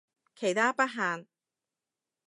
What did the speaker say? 其他不限